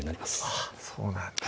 あっそうなんだ